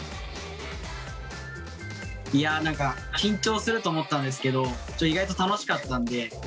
いや何か緊張すると思ったんですけど意外と楽しかったんで。